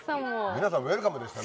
皆さんウエルカムでしたね。